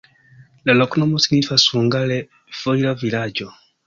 La loknomo signifas hungare: foira-vilaĝo.